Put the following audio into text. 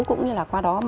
cũng như là qua đó